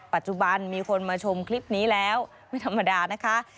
ปัจจุบันมีคนมาชมคลิปนี้แล้วไม่ธรรมดานะคะ